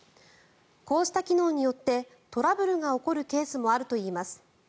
こうした機能によってトラブルが起こるケースもあるといいます。